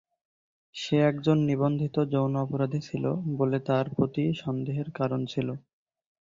সে একজন নিবন্ধিত যৌন অপরাধী ছিল বলে তার প্রতি সন্দেহের কারণ ছিল।